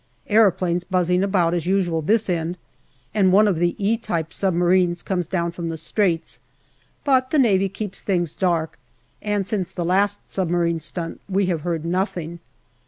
Aeroplanes buzzing about as usual this end, and one of the " E " type submarines comes down from the Straits. But the Navy keeps things dark, and since the last sub marine stunt we have heard nothing.